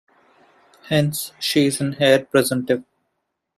Hence, she is an heir presumptive.